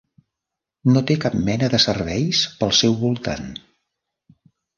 No té cap mena de serveis pel seu voltant.